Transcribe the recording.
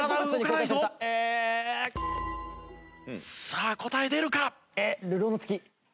さあ答え出るか？